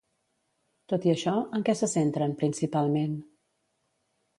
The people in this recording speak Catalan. Tot i això, en què se centren principalment?